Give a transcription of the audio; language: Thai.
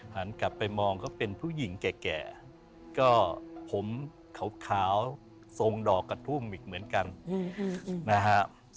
หันกลับไปมองก็เป็นผู้หญิงแก่ก็ผมขาวทรงดอกกระทุ่มอีกเหมือนกันนะฮะ